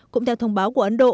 cũng theo thông báo của ấn độ